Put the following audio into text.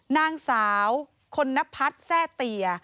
นางสาวคนนพัฒน์แทร่เตีย